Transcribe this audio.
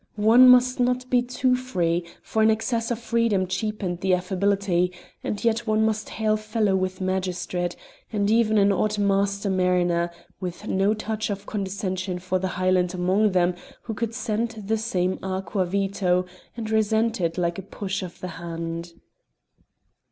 One must not be too free, for an excess of freedom cheapened the affability, and yet one must be hail fellow with magistrate and even an odd master mariner with no touch of condescension for the Highland among them who could scent the same like aqua vito and resent it like a push of the hand.